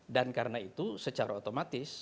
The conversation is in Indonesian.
dan karena itu secara otomatis